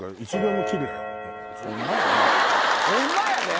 ホンマやで！